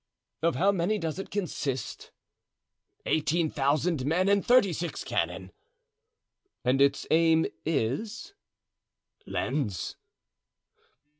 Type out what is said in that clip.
"Of how many does it consist?" "Eighteen thousand men and thirty six cannon." "And its aim is?" "Lens."